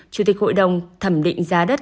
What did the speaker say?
chủ tịch hội đồng thẩm định giá đất